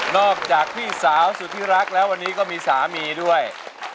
จากพี่สาวสุธิรักแล้ววันนี้ก็มีสามีด้วย